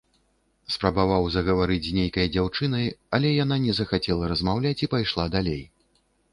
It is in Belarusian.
Спрабаваў загаварыць з нейкай дзяўчынай, але яна не захацела размаўляць і пайшла далей.